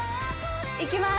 ・行きます。